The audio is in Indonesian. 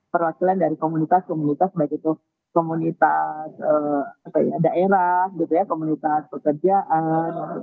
perwakilan dari komunitas komunitas baik itu komunitas daerah komunitas pekerjaan